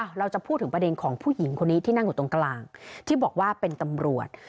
เราจะพูดถึงประเด็นของผู้หญิงคนนี้ที่นั่งอยู่ตรงกลางที่บอกว่าเป็นตำรวจ